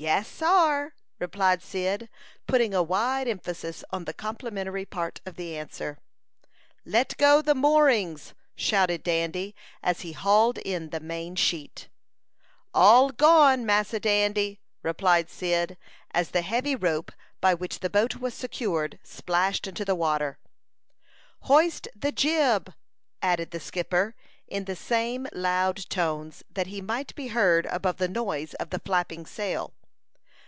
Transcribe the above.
"Yes, sar!" replied Cyd, putting a wicked emphasis on the complimentary part of the answer. "Let go the moorings!" shouted Dandy, as he hauled in the main sheet. "All gone, Massa Dandy," replied Cyd, as the heavy rope by which the boat was secured splashed into the water. "Hoist the jib!" added the skipper, in the same loud tones, that he might be heard above the noise of the flapping sail.